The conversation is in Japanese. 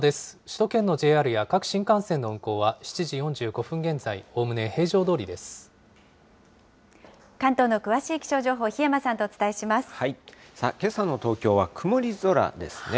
首都圏のＪＲや各新幹線の運行は７時４５分現在、おおむね平常ど関東の詳しい気象情報、さあ、けさの東京は曇り空ですね。